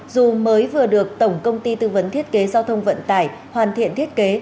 dù mới vừa được tổng công ty tư vấn thiết kế giao thông vận tải hoàn thiện thiết kế